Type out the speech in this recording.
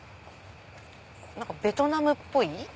ベトナムっぽい。